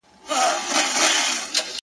ده ویله نه طالب یم نه ویلی مي مکتب دی-